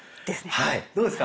はいどうですか。